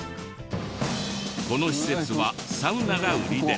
この施設はサウナが売りで。